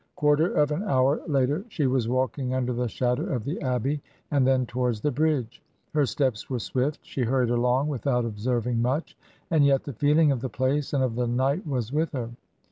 Quarter of an hour later she was walking under the shadow of the Abbey, and then towards the Bridge. Her steps were swift; she hurried along without observing much, and yet the feeling of the place and of the night was with her.